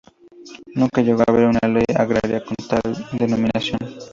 Nunca llegó a haber una Ley Agraria con tal denominación.